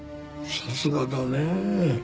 さすがだねえ。